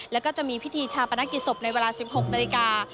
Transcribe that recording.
แล้วก็จะมีพิธีชาปนกิจศพในเวลา๑๖นาฬิกา